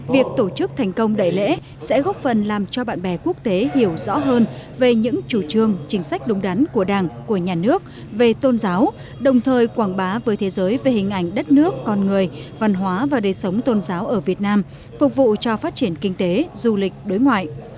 việc tổ chức thành công đại lễ sẽ góp phần làm cho bạn bè quốc tế hiểu rõ hơn về những chủ trương chính sách đúng đắn của đảng của nhà nước về tôn giáo đồng thời quảng bá với thế giới về hình ảnh đất nước con người văn hóa và đề sống tôn giáo ở việt nam phục vụ cho phát triển kinh tế du lịch đối ngoại